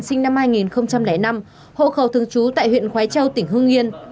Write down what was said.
sinh năm hai nghìn năm hộ khẩu thương chú tại huyện khói châu tỉnh hương yên